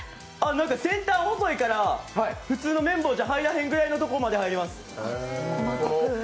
先端細いから、普通の綿棒じゃ入らへんところぐらいまで入ります。